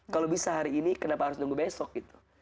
kalau bisa hari ini kenapa harus nunggu besok gitu